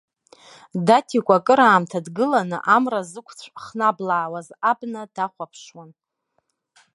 Даҭикәа акыраамҭа дгыланы, амра зықәцә хнаблаауаз абна дахәаԥшуан.